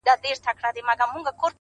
نیم پر تخت د شاه جهان نیم قلندر دی،